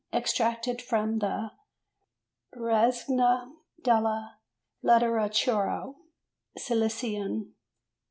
Extracted from the Rassegna della Letteratura Siciliana.